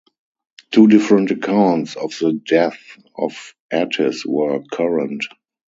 Two different accounts of the death of Attis were current.